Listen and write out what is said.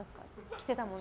着てたもの。